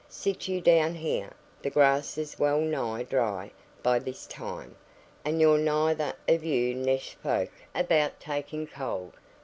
"Sit you down here; the grass is well nigh dry by this time; and you're neither of you nesh folk about taking cold.